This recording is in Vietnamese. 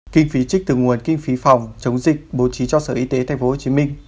kinh phí trích từ nguồn kinh phí phòng chống dịch bố trí cho sở y tế tp hcm